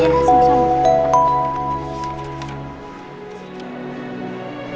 terima kasih pak